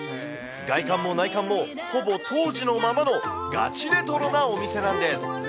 外観も内観もほぼ当時のままのガチレトロなお店なんです。